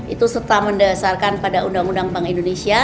itu serta mendasarkan pada undang undang bank indonesia